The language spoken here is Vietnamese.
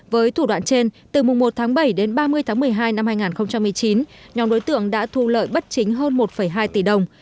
với thủ đoạn trên từ mùng một tháng bảy đến ba mươi tháng một mươi hai năm hai nghìn một mươi chín nhóm đối tượng đã thu lợi bất chính hơn một hai tỷ đồng